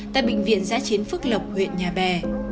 tại bệnh viện giã chiến phước lộc huyện nhà bè